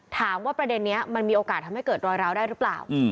ประเด็นนี้มันมีโอกาสทำให้เกิดรอยร้าวได้หรือเปล่า